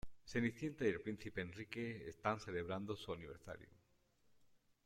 Cenicienta y el Príncipe Enrique están celebrando su aniversario.